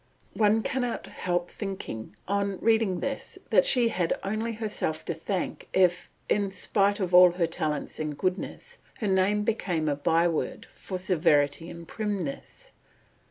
One cannot help thinking, on reading this, that she had only herself to thank if, in spite of all her talents and goodness, her name became a byword for severity and primness.